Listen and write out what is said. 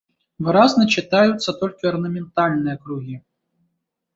Выразна чытаюцца толькі арнаментальныя кругі.